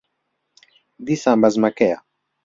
دیسان بەزمەکەیە.